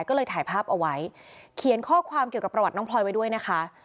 ก็เลยถ่ายภาพเอาไว้เขียนข้อความเกี่ยวกับประวัติน้องพลอยไว้ด้วยนะคะ